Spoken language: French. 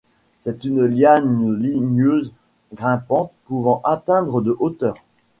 C'est une liane ligneuse grimpante pouvant atteindre de hauteur.